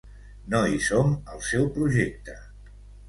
No hi som al seu projecte.